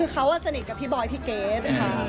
ซะสนิทกับพี่บอยซ์พี่เกษ